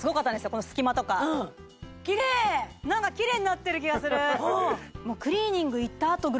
この隙間とかうんキレイ何かキレイになってる気がするうんありますね